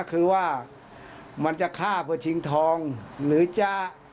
คือว่ามันจะฆ่าเพื่อชิงทองหรือจะ